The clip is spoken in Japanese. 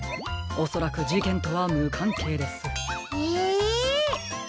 おそらくじけんとはむかんけいです。え。